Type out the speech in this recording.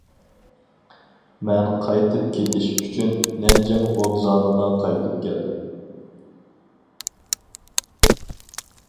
مەن قايتىپ كېتىش ئۈچۈن، نەنجىڭ ۋوگزالىغا قايتىپ كەلدىم.